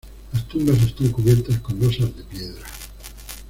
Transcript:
Las tumbas están cubiertas con losas de piedra.